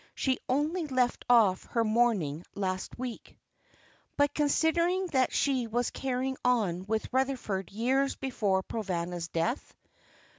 She only left off her mourning last week." "But considering that she was carrying on with Rutherford years before Provana's death?"